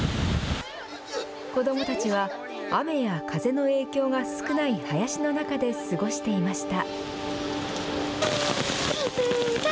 子どもたちは雨や風の影響が少ない林の中で過ごしていました。